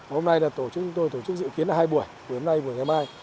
hôm nay là tổ chức chúng tôi tổ chức dự kiến là hai buổi buổi hôm nay buổi ngày mai